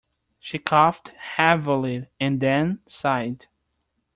She coughed heavily and then sighed.